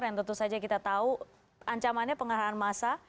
yang tentu saja kita tahu ancamannya pengarahan massa